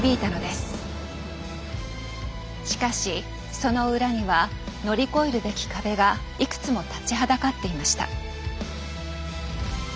しかしその裏には乗り越えるべき壁がいくつも立ちはだかっていました。